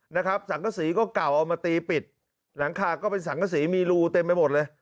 สังกษีก็เก่าเอามาตีปิดหลังคาก็เป็นสังกษีมีรูเต็มไปหมดเลย